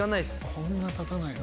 こんな立たないの。